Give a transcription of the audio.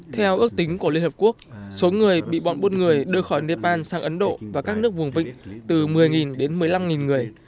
theo ước tính của liên hợp quốc số người bị bọn bốn người đưa khỏi nepal sang ấn độ và các nước vùng vịnh từ một mươi đến một mươi năm người